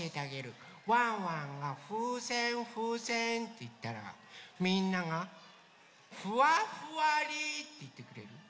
ワンワンが「ふうせんふうせん」っていったらみんなが「ふわふわり」っていってくれる？